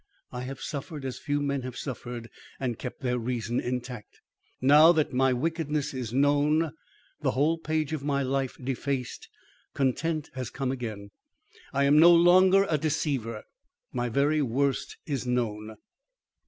I have suffered, as few men have suffered and kept their reason intact. Now that my wickedness is known, the whole page of my life defaced, content has come again. I am no longer a deceiver, my very worst is known."